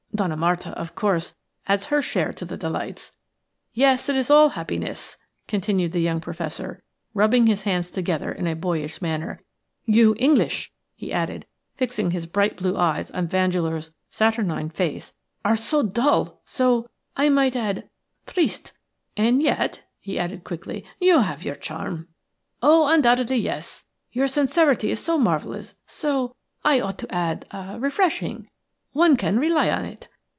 Donna Marta, of course, adds her share to the delights. Yes, it is all happiness," continued the young Professor, rubbing his hands together in a boyish manner. "You English," he added, fixing his bright blue eyes on Vandeleur's saturnine face, "are so dull, so – I might add – triste. And yet," he added, quickly, "you have your charm. Oh, undoubtedly yes. Your sincerity is so marvellous, so – I ought to add – refreshing. One can rely on it.